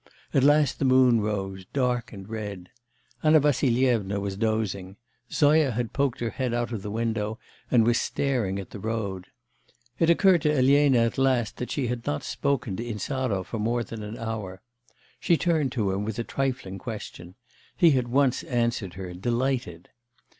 At last the moon rose, dark and red. Anna Vassilyevna was dozing; Zoya had poked her head out of window and was staring at the road. It occurred to Elena at last that she had not spoken to Insarov for more than an hour. She turned to him with a trifling question; he at once answered her, delighted.